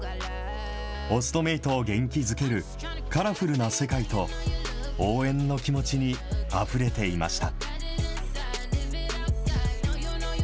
オストメイトを元気づけるカラフルな世界と、応援の気持ちにあふれていました。